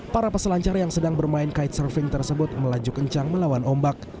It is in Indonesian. para paselancar yang sedang bermain kitesurfing tersebut melaju kencang melawan ombak